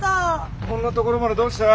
こんな所までどうした？